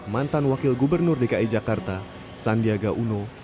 mantan wakil gubernur dki jakarta sandiaga uno